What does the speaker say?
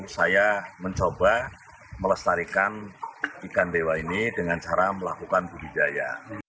saya mencoba melestarikan ikan dewa ini dengan cara melakukan budidaya